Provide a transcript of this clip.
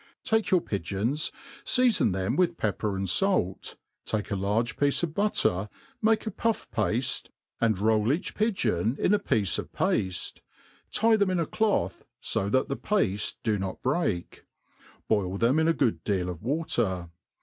TAKE your pigeons, feafon them with pepper and fait, take ^ large piece of blotter, mal^e a puff pafte, and roll each pigeon in 91 THE ART OF COOKERY in a piece of pafte ; tie t}>em in a cloth, fo that the pafte do not break ; boil them in a good deal of water.